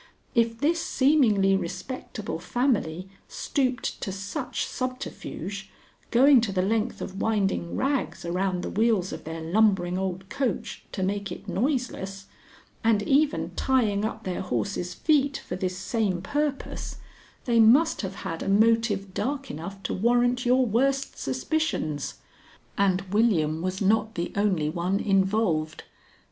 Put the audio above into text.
If this seemingly respectable family stooped to such subterfuge, going to the length of winding rags around the wheels of their lumbering old coach to make it noiseless, and even tying up their horse's feet for this same purpose, they must have had a motive dark enough to warrant your worst suspicions. And William was not the only one involved.